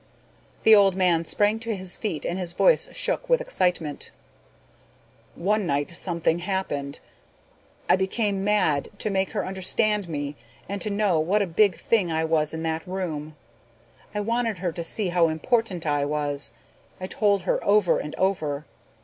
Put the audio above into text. The old man sprang to his feet and his voice shook with excitement. "One night something happened. I became mad to make her understand me and to know what a big thing I was in that room. I wanted her to see how important I was. I told her over and over.